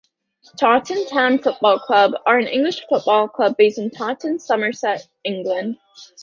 Taunton Town Football Club are an English football club based in Taunton, Somerset, England.